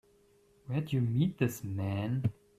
Where'd you meet this man?